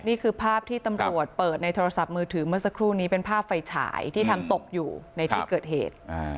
นี่คือภาพที่ตำรวจเปิดในโทรศัพท์มือถือเมื่อสักครู่นี้เป็นภาพไฟฉายที่ทำตกอยู่ในที่เกิดเหตุ